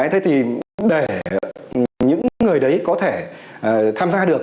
thế thì để những người đấy có thể tham gia được